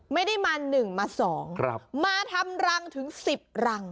ไม่ได้มาหนึ่งมาสองมาทำรังถึงสิบรัง